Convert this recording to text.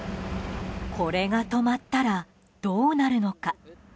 これが止まったらどうなるのか。